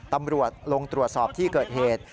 ตำรวจลงตรวจสอบที่เกิดเหตุ